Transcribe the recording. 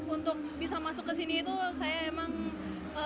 untuk bisa masuk ke sini itu saya emang